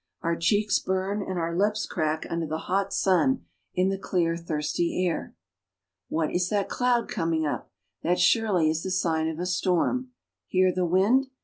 Our cheeks burn and our lips crack under the hot sun in the clear, thirsty air. What is that cloud coming up? That surely is the sign of a storm. Hear the wind.